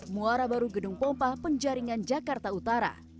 muara baru gedung pompa penjaringan jakarta utara